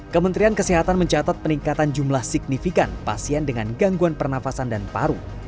kementerian kesehatan mencatat peningkatan jumlah signifikan pasien dengan gangguan pernafasan dan paru